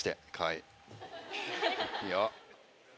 いいよ。